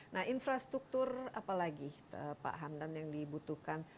nah infrastruktur apa lagi pak hamdan yang dibutuhkan